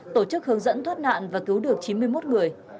tổ chức hướng dẫn thoát nạn và cứu được chín mươi một người